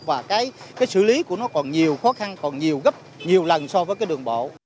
và cái xử lý của nó còn nhiều khó khăn còn nhiều gấp nhiều lần so với cái đường bộ